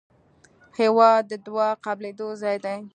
هېواد د دعا قبلېدو ځای دی.